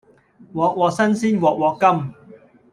鑊鑊新鮮鑊鑊甘